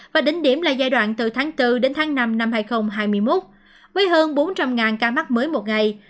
và đỉnh điểm là giai đoạn từ tháng bốn đến tháng năm năm hai nghìn hai mươi một với hơn bốn trăm linh ca mắc mới một ngày